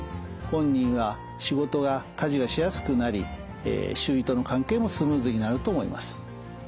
本人は仕事や家事がしやすくなり周囲との関係もスムーズになると思います。